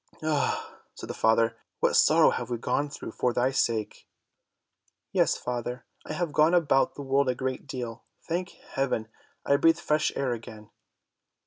"Ah," said the father, "what sorrow we have gone through for thy sake." "Yes father, I have gone about the world a great deal. Thank heaven, I breathe fresh air again!"